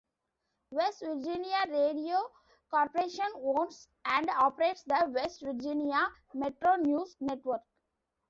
West Virginia Radio Corporation owns and operates the "West Virginia MetroNews" Network.